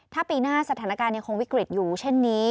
ถ้าปีหน้าสถานการณ์ยังคงวิกฤตอยู่เช่นนี้